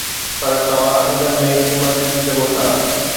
پر توهان انگن ۾ قيمت ڏسي سگهو ٿا